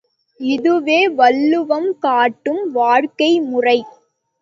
இதுவே வள்ளுவம் காட்டும் வாழ்க்கைமுறை.